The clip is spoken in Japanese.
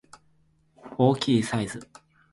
大きいサイズ